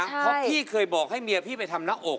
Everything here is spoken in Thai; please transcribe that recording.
เพราะพี่เคยบอกให้เมียพี่ไปทำหน้าอก